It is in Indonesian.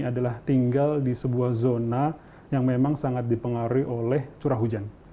adalah tinggal di sebuah zona yang memang sangat dipengaruhi oleh curah hujan